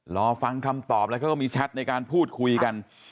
รอฟังคำตอบแล้วเขาก็มีแชทในการพูดคุยกัน